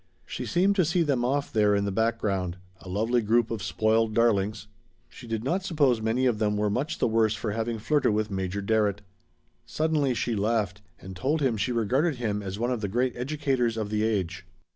She seemed to see them off there in the background a lovely group of spoiled darlings. She did not suppose many of them were much the worse for having flirted with Major Darrett. Suddenly she laughed and told him she regarded him as one of the great educators of the age.